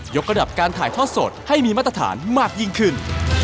กระดับการถ่ายทอดสดให้มีมาตรฐานมากยิ่งขึ้น